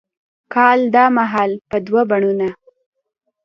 کال دا مهال به دوه بڼوڼه،